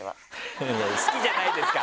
いや「好きじゃないですか」